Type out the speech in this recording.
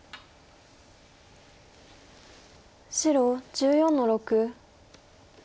白１４の六。